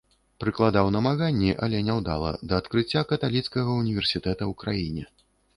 Прыкладаў намаганні, але няўдала, да адкрыцця каталіцкага ўніверсітэта ў краіне.